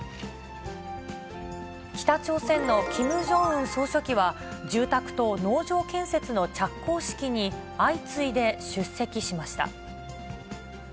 北朝鮮のキム・ジョンウン総書記は、住宅と農場建設の着工式に相次いで出席しました。